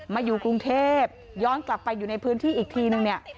มาอยู่กรุงเทพย้อนกลับไปอยู่ในพื้นที่อีกทีนึงเนี่ย